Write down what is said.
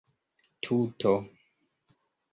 tuto